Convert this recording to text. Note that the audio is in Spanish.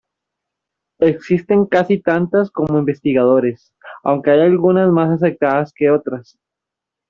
Existen casi tantas como investigadores, aunque hay algunas más aceptadas que otras.